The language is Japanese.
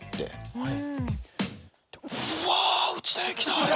はい。